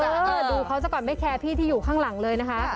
ดูเขาซะก่อนไม่แคร์พี่ที่อยู่ข้างหลังเลยนะคะ